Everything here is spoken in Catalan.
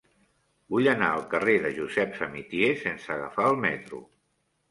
Vull anar al carrer de Josep Samitier sense agafar el metro.